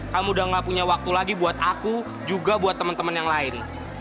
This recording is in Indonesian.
satu lagi buat aku juga buat temen temen yang lain